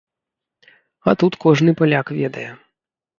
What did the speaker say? А тут кожны паляк ведае.